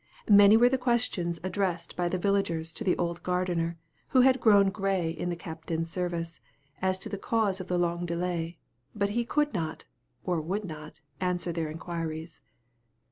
Many were the questions addressed by the villagers to the old gardener, who had grown grey in the captain's service, as to the cause of the long delay; but he could not, or would not, answer their inquiries.